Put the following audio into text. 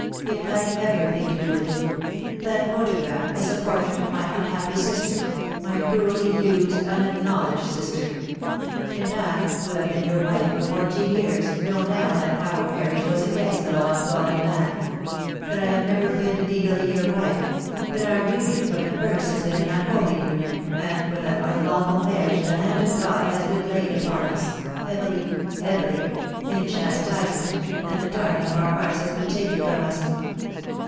It had everything to do with it. That photograph is a portrait of my unhappy sister, my cruelly used, unacknowledged sister ; and 1, who have been your wife fourteen years, know now that our marriage was against the law of God and man that I have never been legally your wife that our union from the first has been an unholy union, and for that unlawful marriage the hand of God has been laid upon us heavily heavily in chastise ment, and the darling of our hearts has been taken from us.